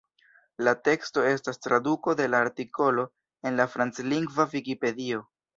La teksto estas traduko de la artikolo en la franclingva Vikipedio.